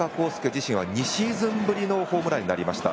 自身は２シーズンぶりのホームランになりました。